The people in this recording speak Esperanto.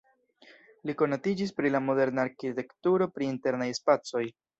Li konatiĝis pri la moderna arkitekturo pri internaj spacoj.